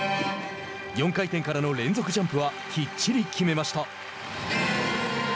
４回転からの連続ジャンプはきっちり決めました。